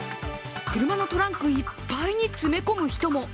車のトランクいっぱいに詰め込む人も。